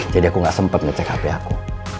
jadi aku gak sempet ngecek hp aku